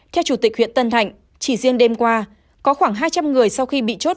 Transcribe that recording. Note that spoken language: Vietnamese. theo chủ tịch huyện tân thạnh chỉ riêng đêm qua có khoảng hai trăm linh người sau khi bị chốt